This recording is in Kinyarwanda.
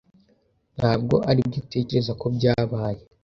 Ntabwo aribyo utekereza ko byabaye?